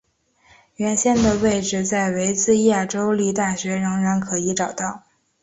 原先的位置在维兹亚州立大学仍然可以找到。